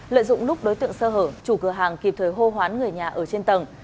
lợi dụng lúc đối tượng sơ hở chủ cửa hàng kịp thời hô hoán người nhà ở trên tầng